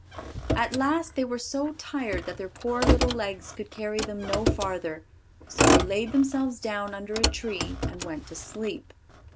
At last they were so tired that their poor little legs could carry them no farther; so they laid themselves down under a tree and went to sleep.